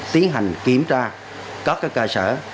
tiến hành kiểm tra các cơ sở